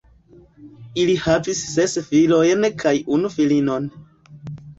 Ili havis ses filojn kaj unu filinon.